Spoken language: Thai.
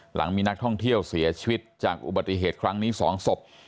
หลังมีนักท่องเที่ยวเสียชีวิตจากอุบัติเหตุครั้งนี้๒ศพ